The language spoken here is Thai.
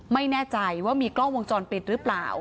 ไม่แน่ใจว่ามีกล้องวงจรปิดหรือเปล่า